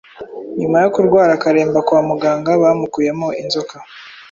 Nyuma yo kurwara akaremba kwa muganga bamukuyemo inzoka